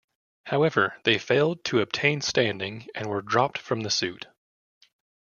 However, they failed to obtain standing and were dropped from the suit.